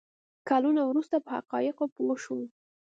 کلونه وروسته په حقایقو پوه شوم.